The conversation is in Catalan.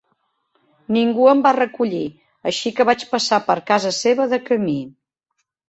Ningú em va recollir, així que vaig passar per casa seva de camí.